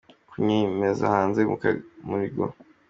kumenyekana hanze Mukamurigo.